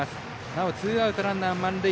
なおツーアウト、ランナー満塁。